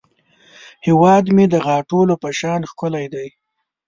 هیواد مې د غاټولو په شان ښکلی دی